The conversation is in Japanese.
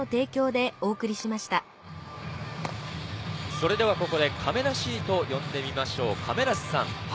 それではここで、かめなシートを呼んでみましょう、亀梨さん。